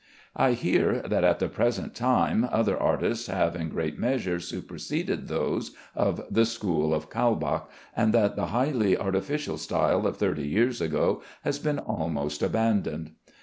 I hear that at the present time other artists have in great measure superseded those of the school of Kaulbach, and that the highly artificial style of thirty years ago has been almost abandoned.